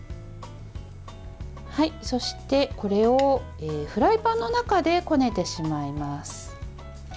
そして、これをフライパンの中でこねてしまいます。